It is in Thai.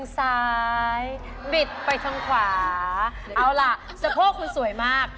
สะโพกคุณสวยมาก